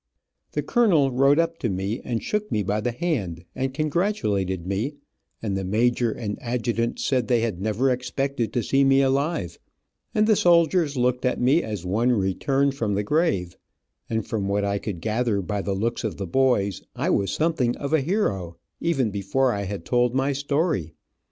The colonel rode up to me and shook me by the hand, and congratulated me, and the major and adjutant said they had never expected to see me alive, and the soldiers looked at me as one returned from the grave, and from what I could gather by the looks of the boys, I was something of a hero, even before I had told my story.